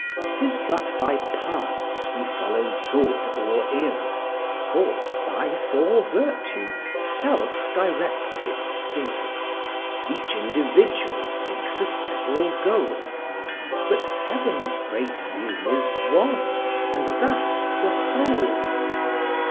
'Tis but by parts we follow good or ill; For, vice or virtue, self directs it still; Each individual seeks a several goal; But Heaven's great view is one, and that the whole.